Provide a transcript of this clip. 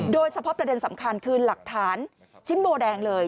โดยเฉพาะประเด็นสำคัญคือหลักฐานชิ้นโบแดงเลย